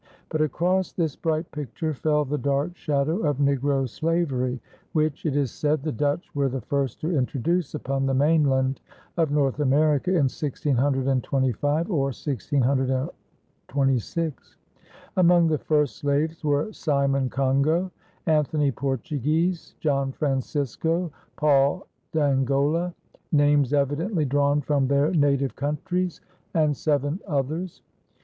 But across this bright picture fell the dark shadow of negro slavery, which, it is said, the Dutch were the first to introduce upon the mainland of North America in 1625 or 1626. Among the first slaves were Simon Congo, Anthony Portuguese, John Francisco, Paul d'Angola names evidently drawn from their native countries and seven others.